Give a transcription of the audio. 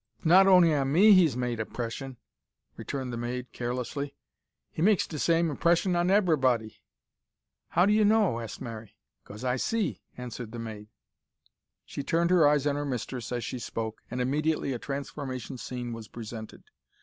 "'S not on'y on me he's made a 'mpress'n," returned the maid, carelessly. "He makes de same 'mpress'n on eberybody." "How d'you know?" asked Mary. "'Cause I see," answered the maid. She turned her eyes on her mistress as she spoke, and immediately a transformation scene was presented.